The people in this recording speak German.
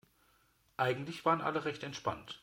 Eigentlich waren alle recht entspannt.